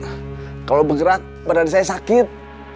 ah kalau bergerak badan saya sakit